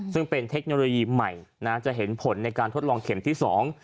ซึ่งเป็นเทคโนโลยีใหม่นะจะเห็นผลในการทดลองเข็มที่สอง